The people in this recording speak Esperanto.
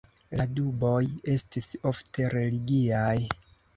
La duboj estis ofte religiaj.